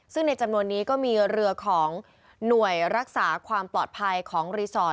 ซึ่งในจำนวนนี้ก็มีเรือของหน่วยรักษาความปลอดภัยของรีสอร์ท